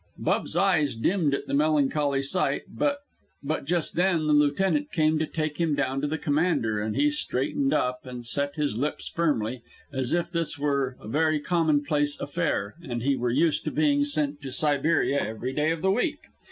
Bub's eyes dimmed at the melancholy sight, but but just then the lieutenant came to take him down to the commander, and he straightened up and set his lips firmly, as if this were a very commonplace affair and he were used to being sent to Siberia every day in the week.